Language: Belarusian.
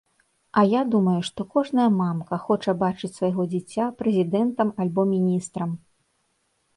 А я думаю, што кожная мамка хоча бачыць свайго дзіця прэзідэнтам альбо міністрам.